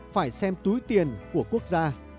phải xem túi tiền của quốc gia